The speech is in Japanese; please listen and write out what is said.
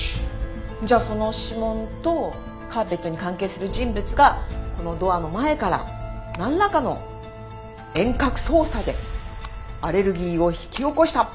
じゃあその指紋とカーペットに関係する人物がこのドアの前からなんらかの遠隔操作でアレルギーを引き起こした。